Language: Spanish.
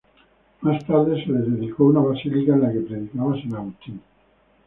Más tarde, se les dedicó una basílica en la que predicaba San Agustín.